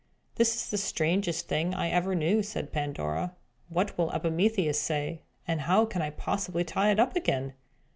"This is the strangest thing I ever knew!" said Pandora. "What will Epimetheus say? And how can I possibly tie it up again?"